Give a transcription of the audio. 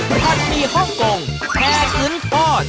ผัดมีฮ่องกงแพงอึ้งทอด